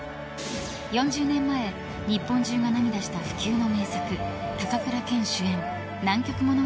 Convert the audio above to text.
［４０年前日本中が涙した不朽の名作高倉健主演『南極物語』を放送］